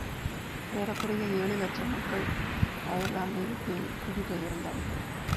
ஏறக்குறைய ஏழு இலட்சம் மக்கள் அயர்லாந்தைவிட்டுக் குடிபெயர்ந்தார்கள்.